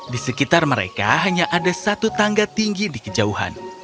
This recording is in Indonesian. di sekitar mereka hanya ada satu tangga tinggi di kejauhan